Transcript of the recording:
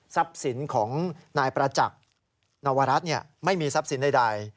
ทรัพย์สินของนายประจักษ์นวรัฐเนี่ยไม่มีทรัพย์สินใดใด